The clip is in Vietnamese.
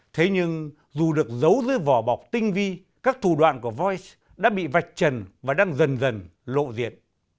thế nhưng dù được giấu dưới vỏ bọc tinh vi các thủ đoạn của voice đã bị vạch trần và đang dần dần lộ diệt